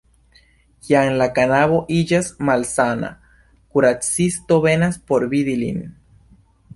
Kiam la knabo iĝas malsana, kuracisto venas por vidi lin.